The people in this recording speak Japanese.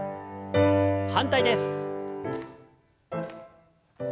反対です。